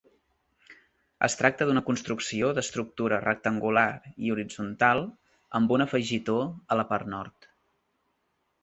Es tracta d'una construcció d'estructura rectangular i horitzontal amb un afegitó a la part nord.